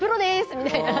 みたいな。